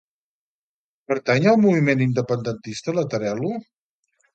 Pertany al moviment independentista la Terelu?